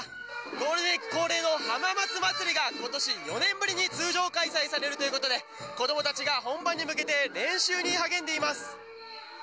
ゴールデンウィーク恒例の浜松まつりが、ことし４年ぶりに通常開催されるということで、子どもたちが本番に向けて練習に励んでいます。